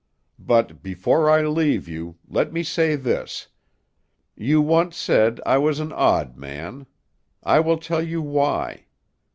But before I leave you, let me say this: You once said I was an odd man; I will tell you why.